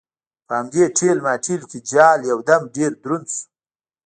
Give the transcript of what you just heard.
په همدې ټېل ماټېل کې جال یو دم ډېر دروند شو.